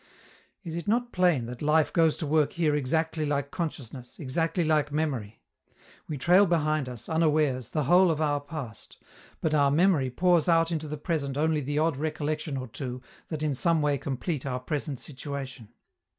Is it not plain that life goes to work here exactly like consciousness, exactly like memory? We trail behind us, unawares, the whole of our past; but our memory pours into the present only the odd recollection or two that in some way complete our present situation.